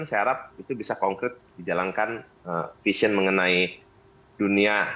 saya harap itu bisa konkret dijalankan vision mengenai dunia